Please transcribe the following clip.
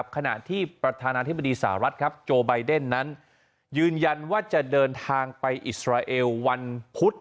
ขณะที่ประธานาธิบดีสหรัฐโจไบเดนนั้นยืนยันว่าจะเดินทางไปอิสราเอลวันพุธ